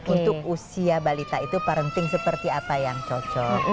untuk usia balita itu parenting seperti apa yang cocok